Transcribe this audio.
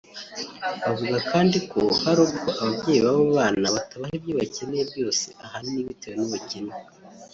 Bavuga kandi ko hari ubwo ababyeyi b’abo bana batabaha ibyo bakeneye byose ahanini bitewe n’ubukene